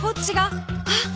あっ！